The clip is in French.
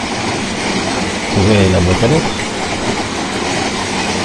Où est la boîte à lettres ?